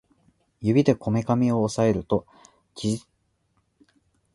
指でこめかみを抑えると疑似的な相対音感を得ることができる